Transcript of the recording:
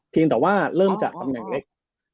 เพียงแต่ว่าเริ่มจะทำอย่างเล็ก